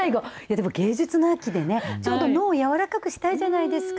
でも、芸術の秋でね、ちょうど脳を柔らかくしたいじゃないですか。